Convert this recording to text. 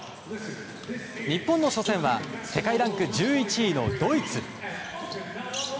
日本の初戦は世界ランク１１位のドイツ。